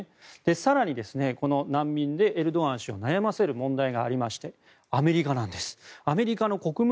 更に、難民でエルドアン大統領を悩ませる問題がありましてアメリカなんです。